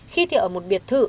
khi thì ở một biệt thự